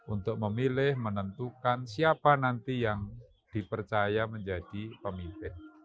untuk memilih menentukan siapa nanti yang dipercaya menjadi pemimpin